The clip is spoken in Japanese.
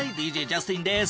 ＤＪジャスティンです。